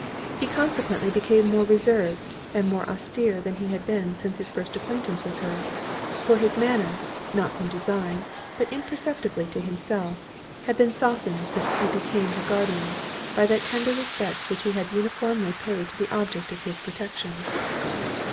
He consequently became more reserved, and more austere than he had been since his first acquaintance with her; for his manners, not from design, but imperceptibly to himself, had been softened since he became her guardian, by that tender respect which he had uniformly paid to the object of his protection.